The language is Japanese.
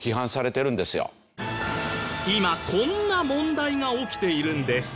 今こんな問題が起きているんです。